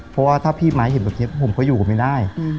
เพราะว่าถ้าพี่ม้าเห็นแบบนี้ผมก็อยู่กันไม่ได้